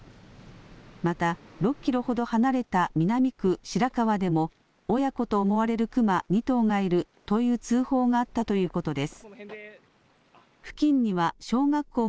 また、６キロほど離れた南区白川でも、親子と思われるクマ２頭がいるという通報があったということです。